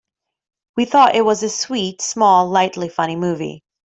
We thought it was a sweet, small, lightly funny movie.